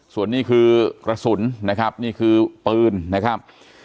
ส่วนนี้คือกระสุนนะครับนี่คือปืนนะครับ